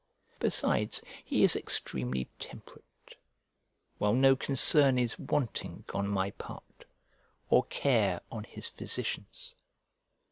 Besides, he is extremely temperate; while no concern is wanting on my part or care on his physician's.